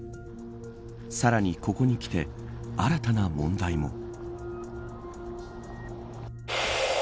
さらに、ここにきて新たな問題も。